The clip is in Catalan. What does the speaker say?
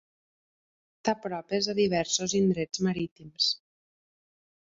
T'apropes a diversos indrets marítims.